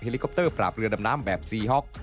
ลิคอปเตอร์ปราบเรือดำน้ำแบบซีฮ็อก